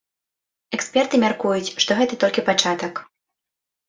Эксперты мяркуюць, што гэта толькі пачатак.